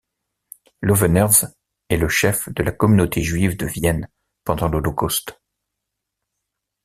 Löwenherz est le chef de la communauté juive de Vienne pendant l'Holocauste.